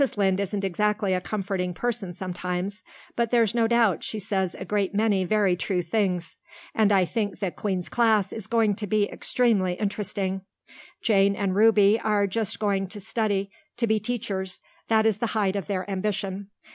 Lynde isn't exactly a comforting person sometimes, but there's no doubt she says a great many very true things. And I think the Queen's class is going to be extremely interesting. Jane and Ruby are just going to study to be teachers. That is the height of their ambition.